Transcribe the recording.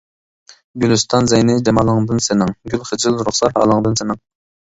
گۈلىستان زەينى جامالىڭدىن سېنىڭ، گۈل خىجىل رۇخسار ھالىڭدىن سېنىڭ.